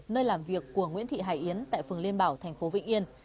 nơi làm việc của nguyễn thị hải yến tại phường liên bảo thành phố vĩnh yên